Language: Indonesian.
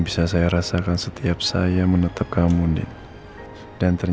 kenapa sakit ada yang sakit